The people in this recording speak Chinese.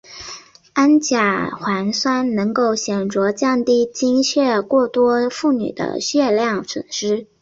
氨甲环酸能够显着降低经血过多妇女的血量损失。